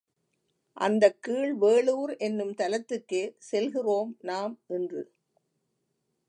அந்தக் கீழ் வேளூர் என்னும் தலத்துக்கே செல்கிறோம் நாம் இன்று.